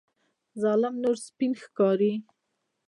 ظالم نور سپین ښکاري.